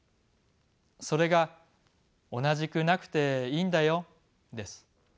それが“おなじくなくていいんだよ”です。